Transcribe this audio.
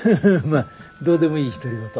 まあどうでもいい独り言。